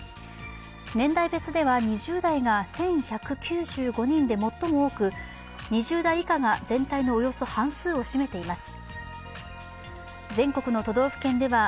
年代別では２０代が１１９５人で最も多く２０代以下が全体のおよそ半数を占めています。